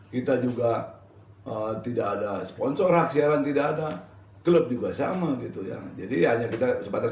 kita juga tidak ada sponsor hak siaran tidak ada klub juga sama gitu ya jadi hanya kita sebatas